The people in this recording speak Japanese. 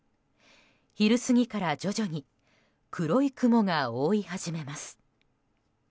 昼過ぎから徐々に黒い雲が覆い始めます。